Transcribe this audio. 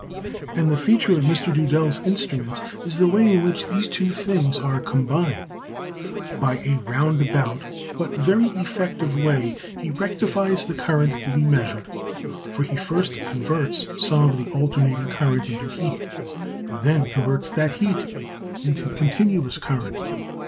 And the feature of Mr Duddell's instruments is the way in which these two things are combined. By a roundabout but very effective way he rectifies the current to be measured, for he first converts some of the alternating current into heat and then converts that heat into continuous current.